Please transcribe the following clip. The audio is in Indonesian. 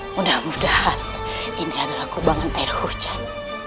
mudah mudahan ini adalah kubangan air hujan